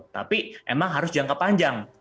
tapi emang harus jangka panjang